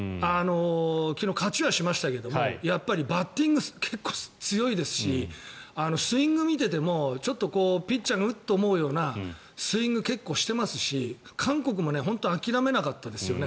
昨日、勝ちはしましたがやっぱりバッティング結構強いですしスイングを見ていてもピッチャーがうっと思うようなスイングを結構していますし韓国も諦めなかったですよね。